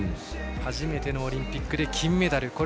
初めてのオリンピックで金メダル。